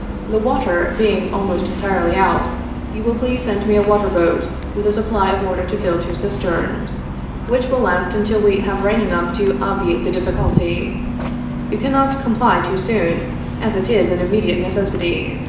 '' The water being almost entirely out, you will please send me a water boat, with a supply of water to fill two cisterns, which will last until we have rain enough to obviate the difficulty, You cannot comply too soon, as it is an immediate necessity.